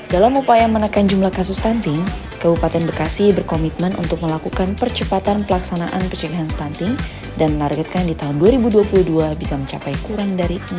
dalam upaya menekan jumlah kasus stunting kabupaten bekasi berkomitmen untuk melakukan percepatan pelaksanaan pencegahan stunting dan menargetkan di tahun dua ribu dua puluh dua bisa mencapai kurang dari dua puluh